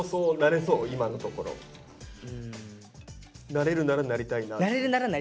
なれるならなりたいな？